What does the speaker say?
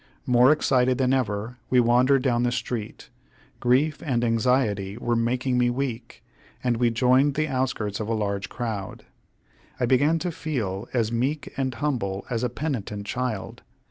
More excited than ever, we wandered down the street. Grief and anxiety were making me weak, and as we joined the outskirts of a large crowd, I began to feel as meek and humble as a penitent child.